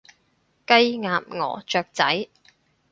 雞，鴨，鵝，雀仔